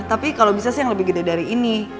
tapi kalau bisa sih yang lebih gede dari ini